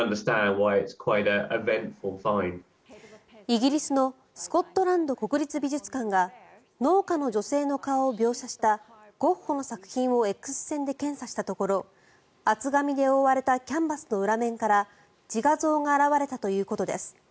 イギリスのスコットランド国立美術館が農家の女性の顔を描写したゴッホの作品をＸ線で検査したところ厚紙で覆われたキャンバスの裏面から自画像が現れたということです。